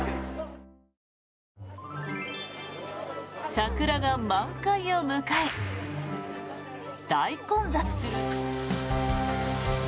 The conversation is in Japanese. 桜が満開を迎え、大混雑。